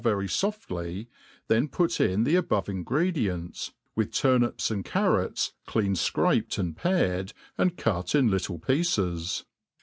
very foftly, then put in the above ingredients, with turnips and carrots clean fcrap ed and pared, and cut in little pieces.